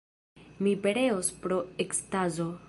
Mi pereos pro ekstazo!